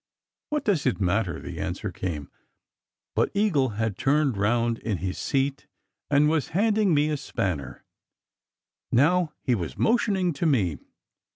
"What does it matter?" the answer came. But Eagle had turned round in his seat, and was handing me a spanner. Now he was motioning to me.